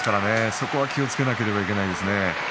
そこは気をつけなければいけないですね。